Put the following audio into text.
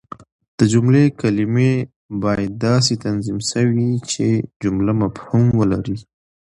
د جملې کلیمې باید داسي تنظیم سوي يي، چي جمله مفهوم ولري.